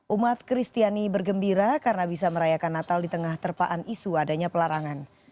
umat kristiani bergembira karena bisa merayakan natal di tengah terpaan isu adanya pelarangan